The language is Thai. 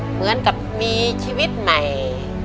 เหมือนกับมีชีวิตใหม่